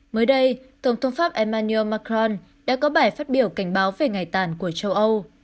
mới đây tổng thống pháp emmanu macron đã có bài phát biểu cảnh báo về ngày tàn của châu âu